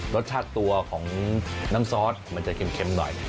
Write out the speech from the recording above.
รสชาติตัวของน้ำซอสมันจะเค็มหน่อย